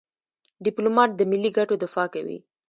ډيپلومات د ملي ګټو دفاع کوي.